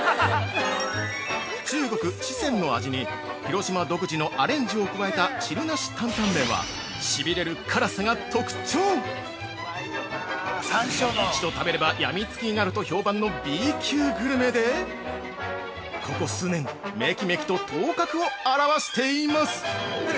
◆中国・四川の味に広島独自のアレンジを加えた「汁なし担々麺」は「しびれる辛さ」が特徴一度食べればヤミツキになると評判のＢ級グルメでここ数年、メキメキと頭角を現しています。